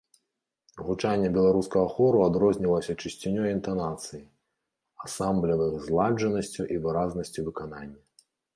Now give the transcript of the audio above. Гучанне беларускага хору адрознівалася чысцінёй інтанацыі, ансамблевых зладжанасцю і выразнасцю выканання.